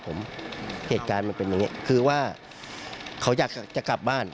เขาบอกเหตุการณ์มันเป็นเนี้ยแล้วด้วยคือว่าเขายากจะกลับบ้าน